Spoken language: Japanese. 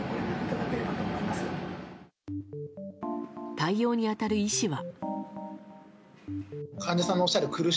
対応に当たる医師は。